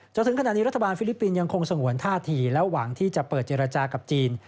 จนถึงขณะนี้รัฐบาลฟิลิปปินส์ยังคงสงวนท่าทีและหวังที่จะเปิดเจรจากับจีน